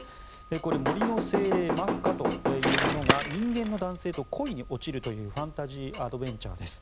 これは森の精霊マフカという者が人間の男性と恋に落ちるというファンタジーアドベンチャーです。